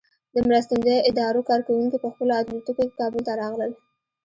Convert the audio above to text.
د مرستندویه ادارو کارکوونکي په خپلو الوتکو کې کابل ته راغلل.